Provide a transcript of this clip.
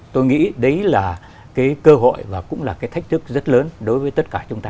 tôi nghĩ đấy là cái cơ hội và cũng là cái thách thức rất lớn đối với tất cả chúng ta